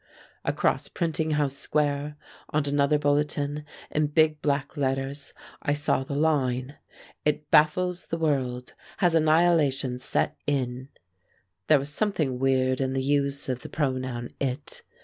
Across Printing House Square, on another bulletin, in big black letters I saw the line, "It baffles the world. Has annihilation set in!" There was something weird in the use of the pronoun IT.